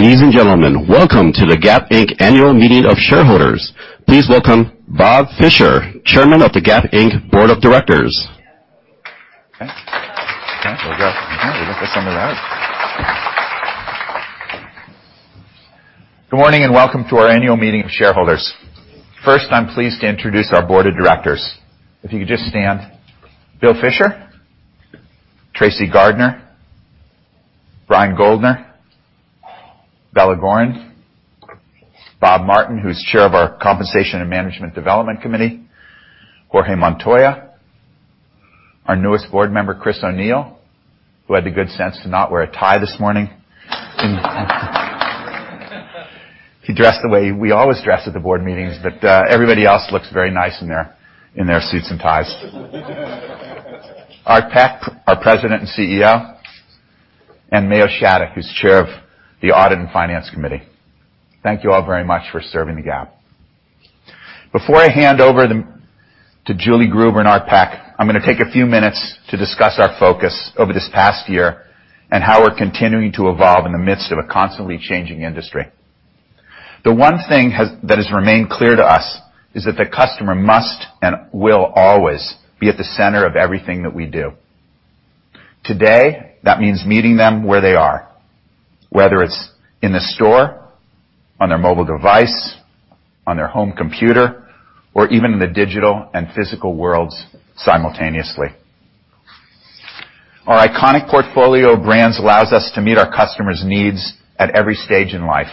Ladies and gentlemen, welcome to the Gap Inc. Annual Meeting of Shareholders. Please welcome Bob Fisher, Chairman of the Gap Inc. board of directors. Okay. We'll go. Okay. We got the sound of that. Good morning, and welcome to our annual meeting of shareholders. First, I'm pleased to introduce our board of directors. If you could just stand. Bill Fisher, Tracy Gardner, Brian Goldner, Bella Goren, Bob Martin, who's Chair of our Compensation and Management Development Committee, Jorge Montoya, our newest board member, Chris O'Neill, who had the good sense to not wear a tie this morning. He dressed the way we always dress at the board meetings, but everybody else looks very nice in their suits and ties. Art Peck, our President and Chief Executive Officer, and Mayo Shattuck, who's Chair of the Audit and Finance Committee. Thank you all very much for serving the Gap. Before I hand over to Julie Gruber and Art Peck, I'm gonna take a few minutes to discuss our focus over this past year and how we're continuing to evolve in the midst of a constantly changing industry. The one thing that has remained clear to us is that the customer must, and will always, be at the center of everything that we do. Today, that means meeting them where they are, whether it's in the store, on their mobile device, on their home computer, or even in the digital and physical worlds simultaneously. Our iconic portfolio of brands allows us to meet our customers' needs at every stage in life.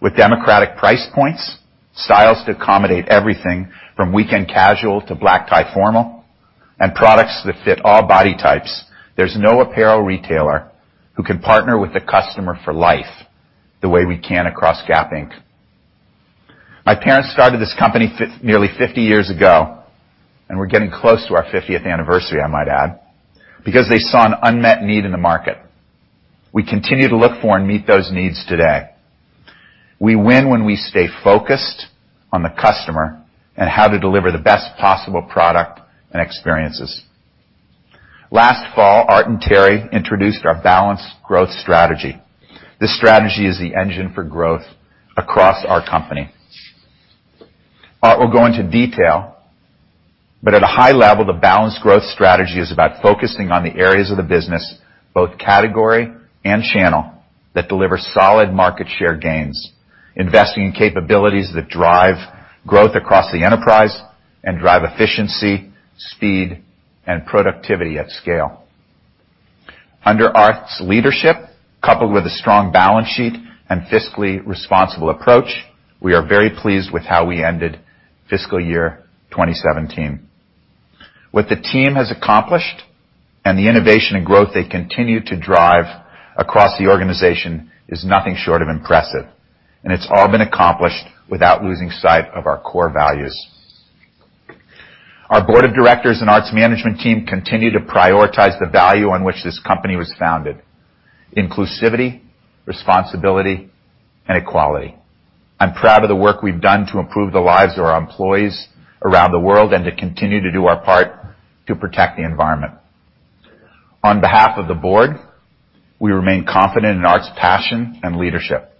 With democratic price points, styles to accommodate everything from weekend casual to black tie formal, and products that fit all body types, there's no apparel retailer who can partner with the customer for life the way we can across Gap Inc. My parents started this company nearly 50 years ago, and we're getting close to our 50th anniversary, I might add, because they saw an unmet need in the market. We continue to look for and meet those needs today. We win when we stay focused on the customer and how to deliver the best possible product and experiences. Last fall, Art and Teri introduced our balanced growth strategy. This strategy is the engine for growth across our company. Art will go into detail, at a high level, the balanced growth strategy is about focusing on the areas of the business, both category and channel, that deliver solid market share gains, investing in capabilities that drive growth across the enterprise and drive efficiency, speed, and productivity at scale. Under Art's leadership, coupled with a strong balance sheet and fiscally responsible approach, we are very pleased with how we ended fiscal year 2017. What the team has accomplished and the innovation and growth they continue to drive across the organization is nothing short of impressive, it's all been accomplished without losing sight of our core values. Our board of directors and Art's management team continue to prioritize the value on which this company was founded, inclusivity, responsibility, and equality. I'm proud of the work we've done to improve the lives of our employees around the world and to continue to do our part to protect the environment. On behalf of the board, we remain confident in Art's passion and leadership.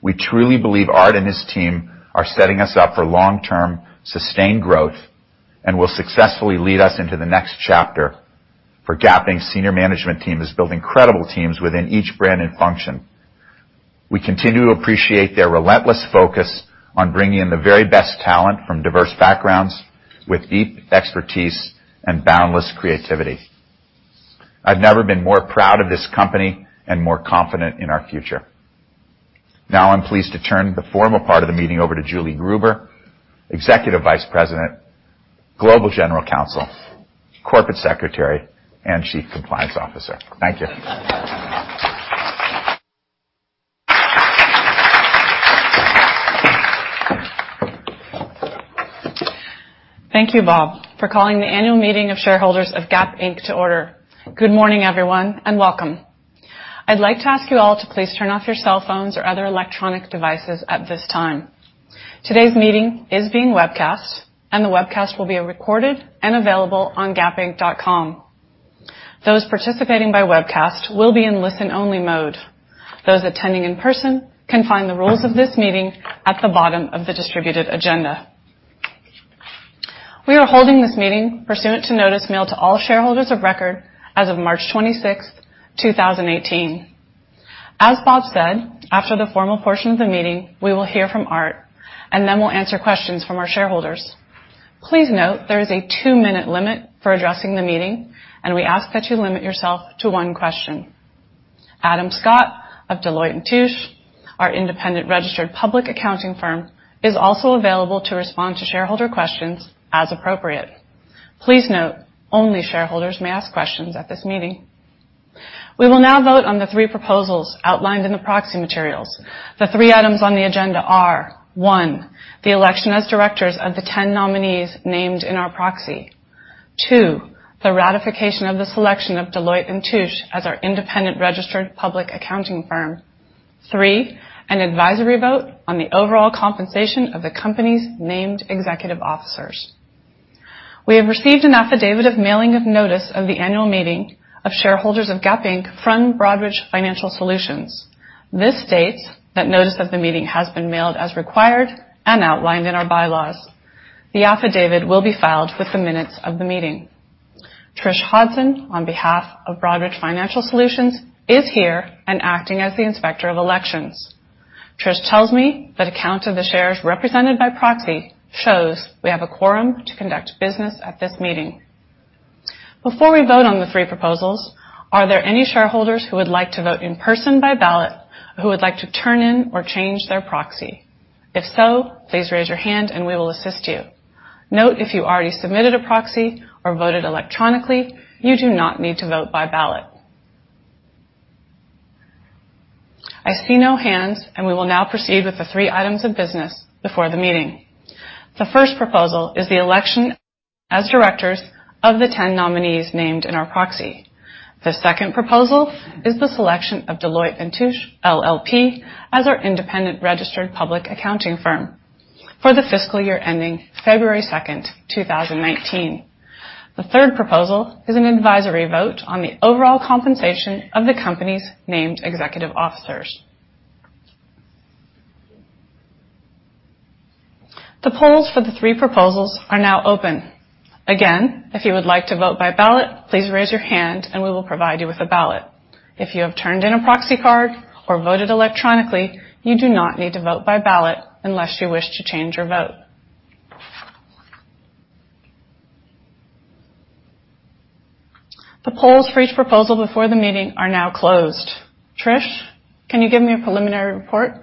We truly believe Art and his team are setting us up for long-term, sustained growth and will successfully lead us into the next chapter, Gap Inc.'s senior management team is building credible teams within each brand and function. We continue to appreciate their relentless focus on bringing in the very best talent from diverse backgrounds with deep expertise and boundless creativity. I've never been more proud of this company and more confident in our future. Now, I'm pleased to turn the formal part of the meeting over to Julie Gruber, Executive Vice President, Global General Counsel, Corporate Secretary, and Chief Compliance Officer. Thank you. Thank you, Bob, for calling the annual meeting of shareholders of Gap Inc. to order. Good morning, everyone, and welcome. I'd like to ask you all to please turn off your cell phones or other electronic devices at this time. Today's meeting is being webcast, the webcast will be recorded and available on gapinc.com. Those participating by webcast will be in listen-only mode. Those attending in person can find the rules of this meeting at the bottom of the distributed agenda. We are holding this meeting pursuant to notice mailed to all shareholders of record as of March 26th, 2018. As Bob said, after the formal portion of the meeting, we will hear from Art, then we'll answer questions from our shareholders. Please note there is a two-minute limit for addressing the meeting, and we ask that you limit yourself to one question. Adam Scott of Deloitte & Touche, our independent registered public accounting firm, is also available to respond to shareholder questions as appropriate. Please note, only shareholders may ask questions at this meeting. We will now vote on the three proposals outlined in the proxy materials. The three items on the agenda are, One, the election as directors of the 10 nominees named in our proxy. Two, the ratification of the selection of Deloitte & Touche as our independent registered public accounting firm. Three, an advisory vote on the overall compensation of the company's named executive officers. We have received an affidavit of mailing of notice of the annual meeting of shareholders of Gap Inc. from Broadridge Financial Solutions. This states that notice of the meeting has been mailed as required and outlined in our bylaws. The affidavit will be filed with the minutes of the meeting. Trish Hudson, on behalf of Broadridge Financial Solutions, is here and acting as the Inspector of Elections. Trish tells me that a count of the shares represented by proxy shows we have a quorum to conduct business at this meeting. Before we vote on the three proposals, are there any shareholders who would like to vote in person by ballot, or who would like to turn in or change their proxy? If so, please raise your hand and we will assist you. Note, if you already submitted a proxy or voted electronically, you do not need to vote by ballot. I see no hands, and we will now proceed with the three items of business before the meeting. The first proposal is the election as directors of the 10 nominees named in our proxy. The second proposal is the selection of Deloitte & Touche LLP as our independent registered public accounting firm for the fiscal year ending February 2nd, 2019. The third proposal is an advisory vote on the overall compensation of the company's named executive officers. The polls for the three proposals are now open. Again, if you would like to vote by ballot, please raise your hand and we will provide you with a ballot. If you have turned in a proxy card or voted electronically, you do not need to vote by ballot unless you wish to change your vote. The polls for each proposal before the meeting are now closed. Trish, can you give me a preliminary report?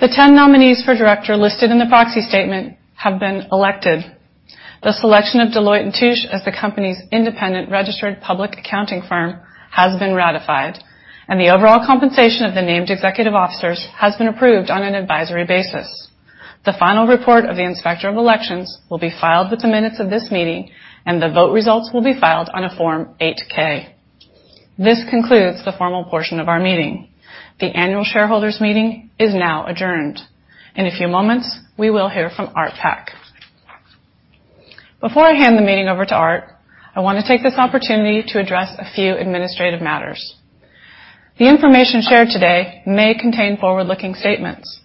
Thank you. The 10 nominees for director listed in the proxy statement have been elected. The selection of Deloitte & Touche as the company's independent registered public accounting firm has been ratified, and the overall compensation of the named executive officers has been approved on an advisory basis. The final report of the Inspector of Elections will be filed with the minutes of this meeting, and the vote results will be filed on a Form 8-K. This concludes the formal portion of our meeting. The annual shareholders' meeting is now adjourned. In a few moments, we will hear from Art Peck. Before I hand the meeting over to Art, I want to take this opportunity to address a few administrative matters. The information shared today may contain forward-looking statements.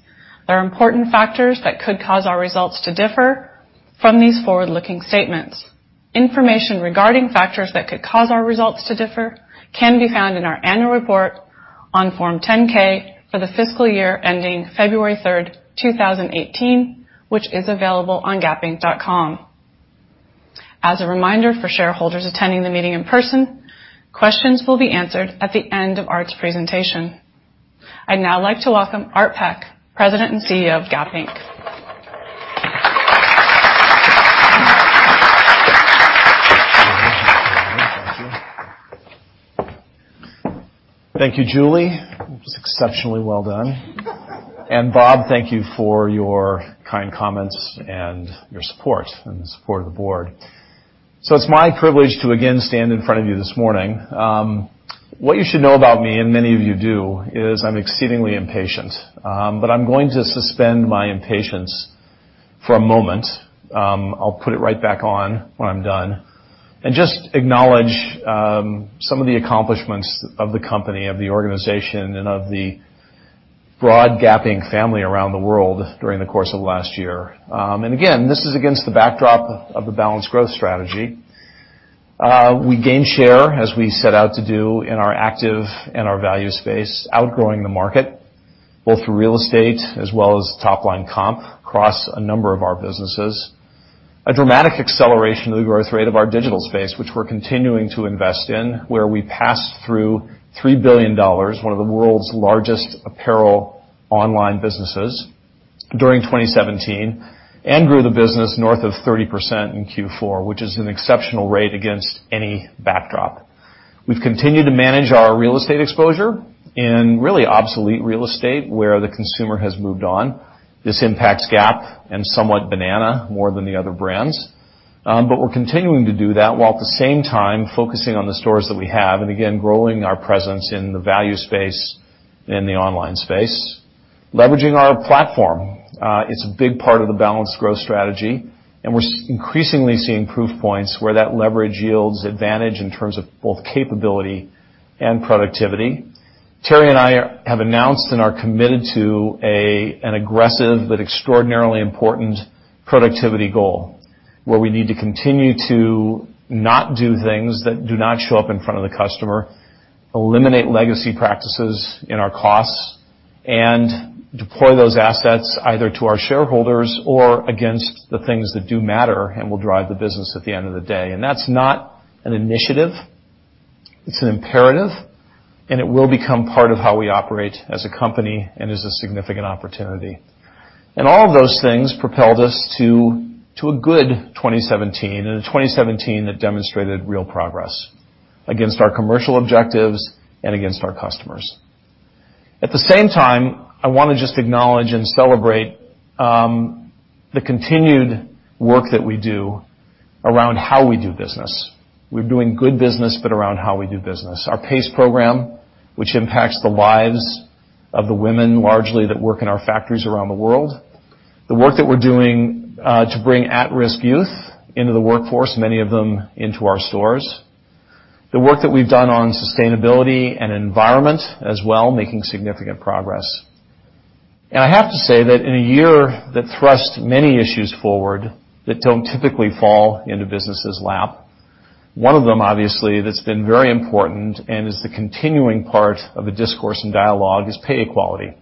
There are important factors that could cause our results to differ from these forward-looking statements. Information regarding factors that could cause our results to differ can be found in our annual report on Form 10-K for the fiscal year ending February 3rd, 2018, which is available on gapinc.com. As a reminder for shareholders attending the meeting in person, questions will be answered at the end of Art's presentation. I'd now like to welcome Art Peck, President and CEO of Gap Inc. Thank you. Thank you, Julie. That was exceptionally well done. Bob, thank you for your kind comments and your support, and the support of the board. It's my privilege to again stand in front of you this morning. What you should know about me, and many of you do, is I'm exceedingly impatient. I'm going to suspend my impatience for a moment, I'll put it right back on when I'm done, and just acknowledge some of the accomplishments of the company, of the organization, and of the broad Gap Inc. family around the world during the course of last year. Again, this is against the backdrop of the balanced growth strategy. We gained share, as we set out to do, in our active and our value space, outgrowing the market, both through real estate as well as top-line comp across a number of our businesses. A dramatic acceleration of the growth rate of our digital space, which we're continuing to invest in, where we passed through $3 billion, one of the world's largest apparel online businesses during 2017, and grew the business north of 30% in Q4, which is an exceptional rate against any backdrop. We've continued to manage our real estate exposure in really obsolete real estate, where the consumer has moved on. This impacts Gap and somewhat Banana more than the other brands. We're continuing to do that while at the same time focusing on the stores that we have, and again, growing our presence in the value space and the online space. Leveraging our platform, it's a big part of the balanced growth strategy, and we're increasingly seeing proof points where that leverage yields advantage in terms of both capability and productivity. Teri and I have announced and are committed to an aggressive but extraordinarily important productivity goal, where we need to continue to not do things that do not show up in front of the customer, eliminate legacy practices in our costs, and deploy those assets either to our shareholders or against the things that do matter and will drive the business at the end of the day. That's not an initiative. It's an imperative, and it will become part of how we operate as a company and is a significant opportunity. All of those things propelled us to a good 2017, and a 2017 that demonstrated real progress against our commercial objectives and against our customers. At the same time, I want to just acknowledge and celebrate the continued work that we do around how we do business. We're doing good business, but around how we do business. Our PACE program, which impacts the lives of the women, largely, that work in our factories around the world. The work that we're doing to bring at-risk youth into the workforce, many of them into our stores. The work that we've done on sustainability and environment as well, making significant progress. I have to say that in a year that thrust many issues forward that don't typically fall into business' lap, one of them, obviously, that's been very important and is the continuing part of a discourse and dialogue, is pay equality.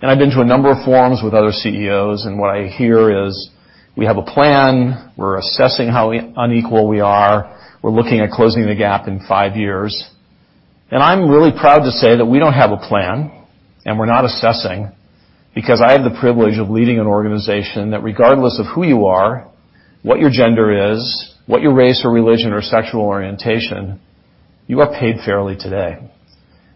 I've been to a number of forums with other CEOs, and what I hear is, "We have a plan. We're assessing how unequal we are. We're looking at closing the gap in five years." I'm really proud to say that we don't have a plan, and we're not assessing, because I have the privilege of leading an organization that regardless of who you are, what your gender is, what your race or religion or sexual orientation, you are paid fairly today.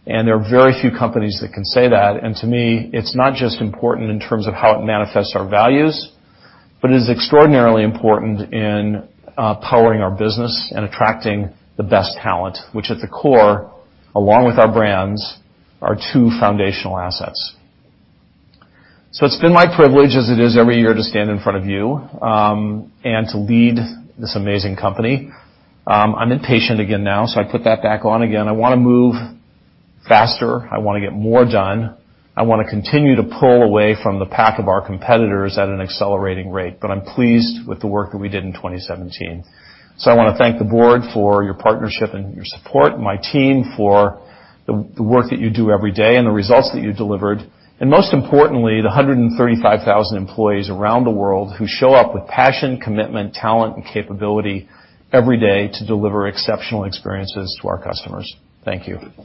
There are very few companies that can say that. To me, it's not just important in terms of how it manifests our values, but it is extraordinarily important in powering our business and attracting the best talent, which at the core, along with our brands, are two foundational assets. It's been my privilege, as it is every year, to stand in front of you and to lead this amazing company. I'm impatient again now, so I put that back on again. I want to move faster. I want to get more done. I want to continue to pull away from the pack of our competitors at an accelerating rate, but I'm pleased with the work that we did in 2017. I want to thank the board for your partnership and your support, my team for the work that you do every day and the results that you delivered, and most importantly, the 135,000 employees around the world who show up with passion, commitment, talent, and capability every day to deliver exceptional experiences to our customers. Thank you.